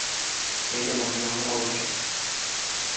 Әйдә, машинаңны алып чык.